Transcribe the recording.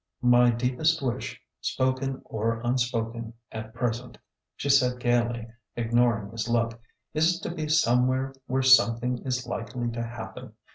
My deepest wish— spoken or unspoken— at present," she said gaily, ignoring his look, is to be somewhere where something is likely to happen.